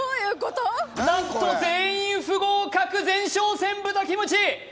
何と全員不合格前哨戦豚キムチ！